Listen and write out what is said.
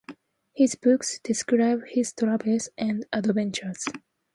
His books describe his travels and adventures.